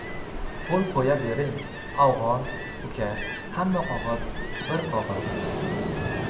Qo‘l qo‘ya bering, "afg‘on" uka, hamma qog‘oz, bir qog‘oz!